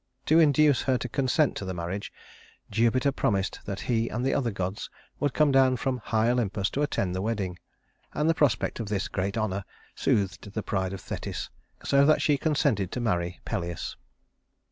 To induce her to consent to the marriage, Jupiter promised that he and the other gods would come down from high Olympus to attend the wedding; and the prospect of this great honor soothed the pride of Thetis so that she consented to marry Peleus.